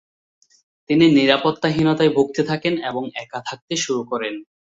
তিনি নিরাপত্তাহীনতায় ভুগতে থাকেন এবং একা থাকতে শুরু করেন।